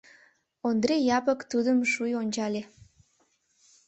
Ондри Япык тудым шуй ончале.